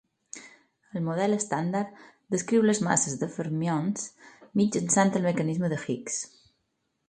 El model estàndard descriu les masses de fermions mitjançant el mecanisme de Higgs.